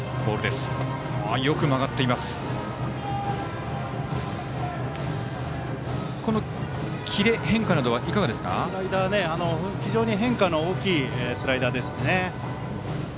スライダー、非常に変化の大きいスライダーですね。